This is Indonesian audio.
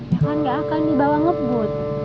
ya kan gak akan dibawa ngebut